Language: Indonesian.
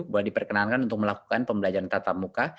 boleh diperkenalkan untuk melakukan pembelajaran tata muka